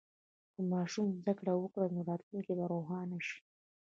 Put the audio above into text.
که ماشوم زده کړه وکړي، نو راتلونکی به روښانه شي.